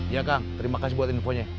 ya kang terima kasih buat infonya